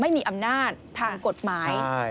ไม่มีอำนาจทางกฎหมาย